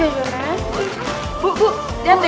dana kebakaran kan